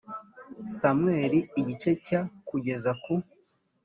samweli igice cya… kugeza ku